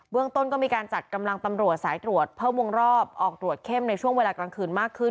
เรื่องต้นก็มีการจัดกำลังตำรวจสายตรวจเพิ่มวงรอบออกตรวจเข้มในช่วงเวลากลางคืนมากขึ้น